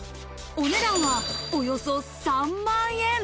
お値段は、およそ３万円。